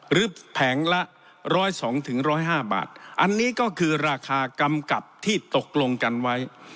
แผงละ๑๐๒๐๕บาทอันนี้ก็คือราคากำกับที่ตกลงกันไว้